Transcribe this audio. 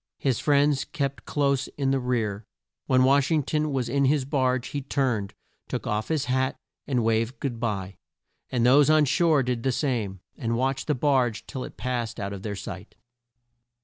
His friends kept close in the rear. When Wash ing ton was in his barge he turned, took off his hat, and waved good bye, and those on shore did the same, and watched the barge till it passed out of their sight.